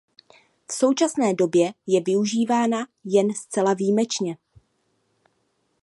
V současné době je využívána jen zcela výjimečně.